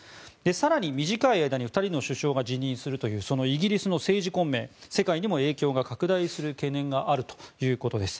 更に、短い間に２人の首相が辞任するというそのイギリスの政治混迷世界にも影響が拡大する懸念があるということです。